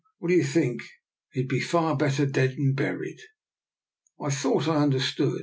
What do you think? He'd far better be dead and buried." I thought I understood.